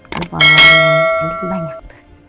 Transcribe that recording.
kan follownya andin banyak